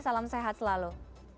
salam sehat selalu